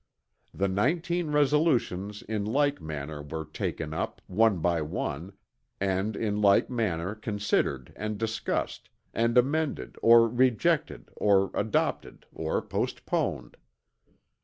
The 19 resolutions in like manner were taken up, one by one, and in like manner considered and discussed, and amended or rejected or adopted or postponed.